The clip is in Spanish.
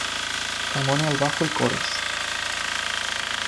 Ramone al bajo y coros.